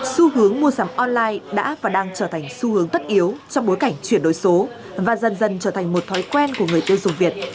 su hướng mua sắm online đã và đang trở thành su hướng tất yếu trong bối cảnh chuyển đối số và dần dần trở thành một thói quen của người tiêu dục việt